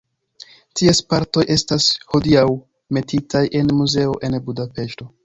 Ties partoj estas hodiaŭ metitaj en muzeo en Budapeŝto.